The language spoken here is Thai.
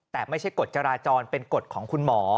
แต่ไม่ใช่กฎจราจรเป็นกฎของคุณหมอ